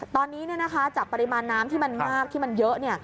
ตอนนี้จากปริมาณน้ำที่มันมากที่มันเยอะ